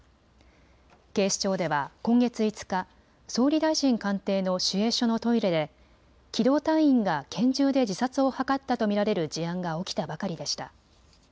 警視庁では今月５日、総理大臣官邸の守衛所のトイレで機動隊員が拳銃で自殺を図ったと見られる事案が起きたばかりでした。